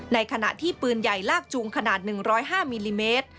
ในขณะที่ปืนใหญ่ลากจูงขนาด๑๐๕มิลลิเมตร